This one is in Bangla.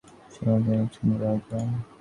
তিনি সর্বপ্রথম অমিত্রাক্ষর ছন্দের ব্যবহার করেন।